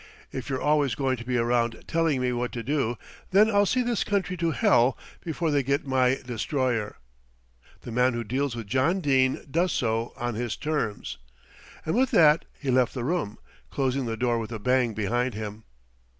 "If you're always going to be around telling me what to do, then I'll see this country to hell before they get my Destroyer. The man who deals with John Dene does so on his terms," and with that he left the room, closing the door with a bang behind him.